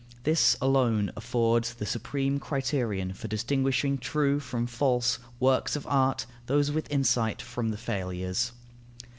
This alone affords the supreme criterion for distinguishing true from false works of art, those with insight from the failures.